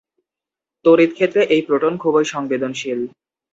তড়িৎক্ষেত্রে এই প্রোটন খুবই সংবেদনশীল ।